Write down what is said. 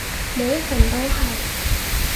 每一份都係